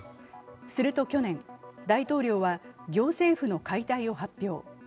すると去年、大統領は行政府の解体を発表。